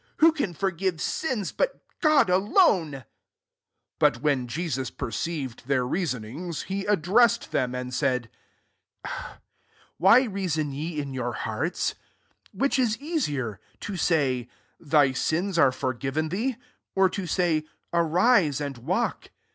Who can forgive sins, but God alcHie ?" SS But when Jesus perceived their reasonings^ he addressed them and said, " Why reason yc in youf* hearts ? S3 Which is easier ? to say, < Thy sins are forgiven thee?' or to say, ^Ariae and walk